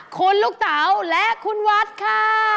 คุณลูกเต๋าและคุณวัดค่ะ